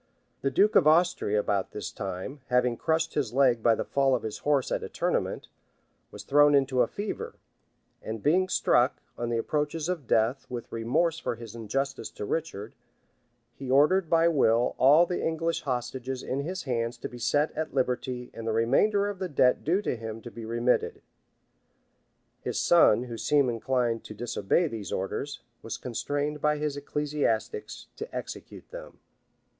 The duke of Austria, about this time, having crushed his leg by the fall of his horse at a tournament, was thrown into a fever; and being struck, on the approaches of death, with remorse for his injustice to Richard, he ordered by will all the English hostages in his hands to be set at liberty and the remainder of the debt due to him to be remitted: his son, who seemed inclined to disobey these orders, was constrained by his ecclesiastics to execute them.